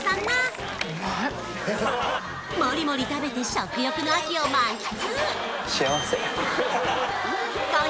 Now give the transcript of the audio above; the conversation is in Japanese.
今週のモリモリ食べて食欲の秋を満喫